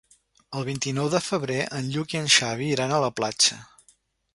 El vint-i-nou de febrer en Lluc i en Xavi iran a la platja.